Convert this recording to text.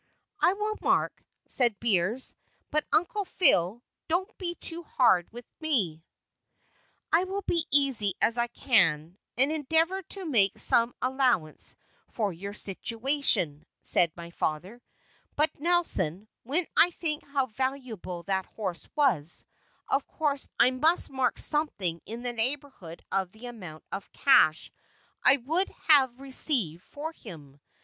"I will mark," said Beers, "but, Uncle Phile, don't be too hard with me." "I will be as easy as I can, and endeavor to make some allowance for your situation," said my father; "but, Nelson, when I think how valuable that horse was, of course I must mark something in the neighborhood of the amount of cash I could have received for him.